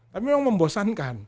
tapi memang membosankan